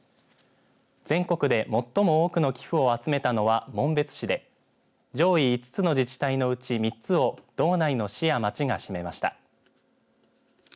全国で最も多くの寄付を集めたのは紋別市で上位５つの自治体のうち３つを道内の市や町が占めました。